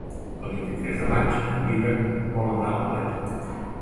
El vint-i-tres de maig en Dídac vol anar a la platja.